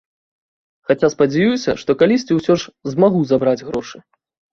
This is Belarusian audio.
Хаця спадзяюся, што калісьці ўсё ж змагу забраць грошы.